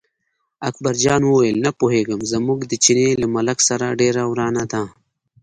اکبرجان وویل نه پوهېږم، زموږ د چیني له ملک سره ډېره ورانه ده.